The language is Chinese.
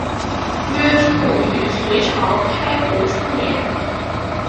约卒于隋朝开国初年。